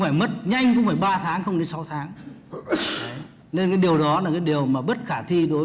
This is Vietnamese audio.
phải mất nhanh cũng phải ba tháng không đến sáu tháng nên cái điều đó là cái điều mà bất khả thi đối